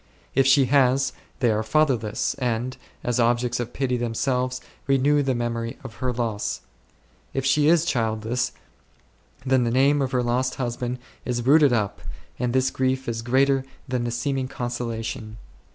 If she has, they are fatherless, and, as objects of pity themselves, renew the memory of her loss. If she is childless, then the name of her lost husband is rooted up, and this grief is greater than the seeming consola tion.